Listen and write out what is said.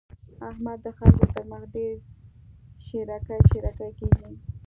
احمد د خلګو تر مخ ډېر شېرکی شېرکی کېږي.